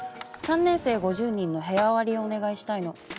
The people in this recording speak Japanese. ３年生５０人の部屋割りをお願いしたいの。